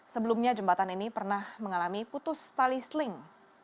sebelumnya jembatan ini pernah mengalami putus tali sling